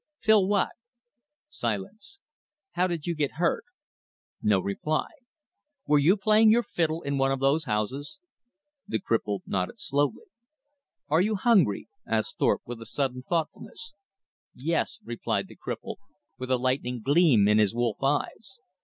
"Phil what?" Silence. "How did you get hurt?" No reply. "Were you playing your fiddle in one of those houses?" The cripple nodded slowly. "Are you hungry?" asked Thorpe, with a sudden thoughtfulness. "Yes," replied the cripple, with a lightning gleam in his wolf eyes.